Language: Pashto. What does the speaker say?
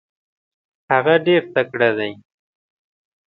هغه ډیر تکړه دی.